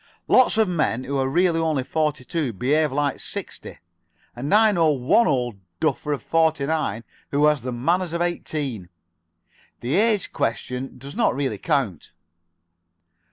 Lots of men who are really only forty two behave like sixty, and I know one old duffer of forty nine who has the manners of eighteen. The age question does not really count."